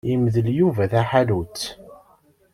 Yemdel Yuba taḥanut.